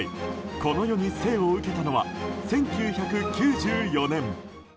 この世に生を受けたのは１９９４年。